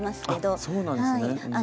あっそうなんですね。